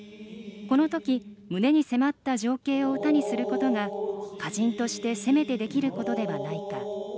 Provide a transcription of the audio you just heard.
このとき、胸に迫った情景を歌にすることが歌人としてせめてできることではないか。